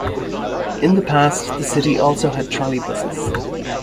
In the past the city also had trolleybuses.